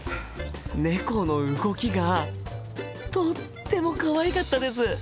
猫の動きがとってもかわいかったです！